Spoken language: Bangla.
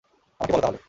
আমাকে বলো, তাহলে।